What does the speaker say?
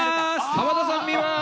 浜田さん見ます。